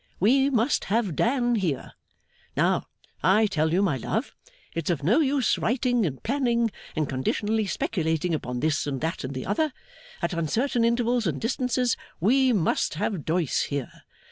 We must have Dan here. Now, I tell you, my love, it's of no use writing and planning and conditionally speculating upon this and that and the other, at uncertain intervals and distances; we must have Doyce here.